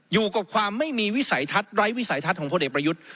อยู่กับความไม่มีวิสัยทัศน์ไร้วิสัยทัศน์ของพลเอกประยุทธ์